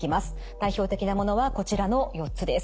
代表的なものはこちらの４つです。